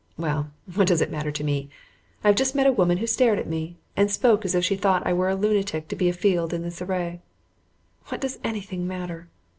Well, what does it matter to me? I have just met a woman who stared at me, and spoke as if she thought I were a lunatic to be afield in this array. What does anything matter?